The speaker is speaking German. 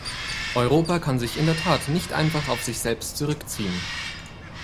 Europa kann sich in der Tat nicht einfach auf sich selbst zurückziehen.